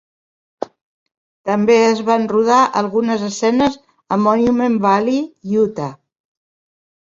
També es van rodar algunes escenes a Monument Valley, Utah.